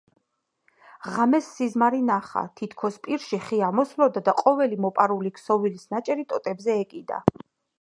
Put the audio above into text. ღამეს სიზმარი ნახა: თითქოს პირში ხე ამოსვლოდა და ყოველი მოპარული ქსოვილის ნაჭერი ტოტებზე ეკიდა.